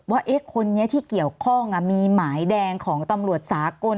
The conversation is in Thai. ว่าคนนี้ที่เกี่ยวข้องมีหมายแดงของตำรวจสากล